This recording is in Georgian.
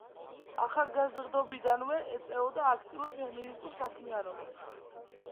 ახალგაზრდობიდანვე ეწეოდა აქტიურ ფემინისტურ საქმიანობას.